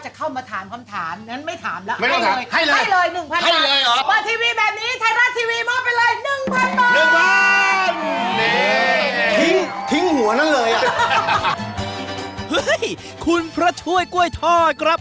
คุณพระช่วยกล้วยทอดครับ